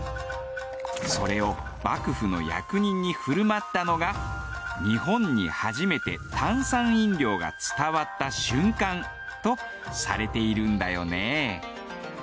それを幕府の役人に振る舞ったのが日本に初めて炭酸飲料が伝わった瞬間とされているんだよね。